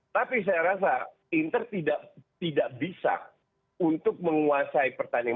tapi saya rasa pinter tidak bisa untuk menguasai pertandingan